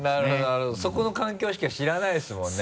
なるほどそこの環境しか知らないですもんね。